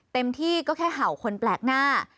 เต็มที่ก็แค่เห่าคนแปลกหน้า